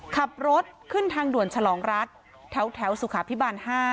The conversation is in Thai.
ขับรถขึ้นทางด่วนฉลองรัฐแถวสุขาพิบาล๕